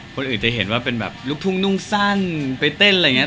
คนอื่นจะเห็นว่าเป็นแบบลูกทุ่งนุ่งสั้นไปเต้นอะไรอย่างนี้